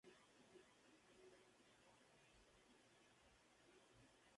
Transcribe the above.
The Human League lanzó "Dare!